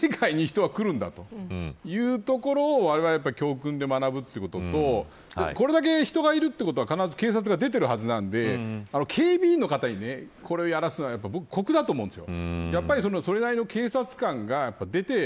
想定外に人は来るんだというところをわれわれは教訓で学ぶということとこれだけ人がいるということは警察が必ず出ているはずなので警備員の方にこれをやらせるのは酷だと思うんです。